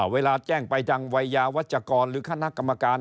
เวลาแจ้งไปทางวัยยาวัชกรหรือคณะกรรมการ